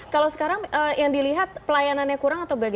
kalau sekarang yang dilihat pelayanannya kurang atau bagaimana